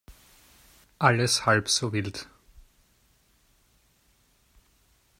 Alles halb so wild.